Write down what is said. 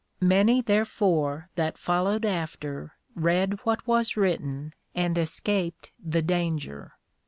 _ Many therefore that followed after read what was written, and escaped the danger.